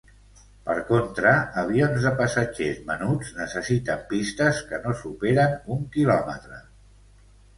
Per contra, avions de passatgers menuts necessiten pistes que no superen un quilòmetre.